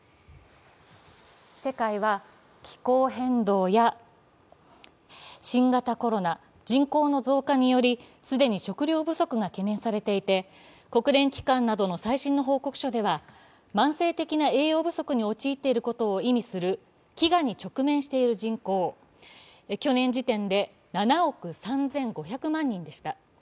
世界は気候変動や新型コロナ、人口の増加により既に食糧不足が懸念されていて、国連機関などの最新の報告書では、慢性的な栄養不足に陥っていることを意味する飢餓に直面している人口去年時点で７億３５００万人でした。